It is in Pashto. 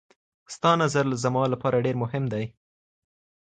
ستا نظر زما لپاره ډېر مهم دی.